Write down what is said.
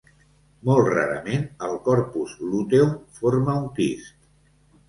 Molt rarament, el corpus luteum forma un quist.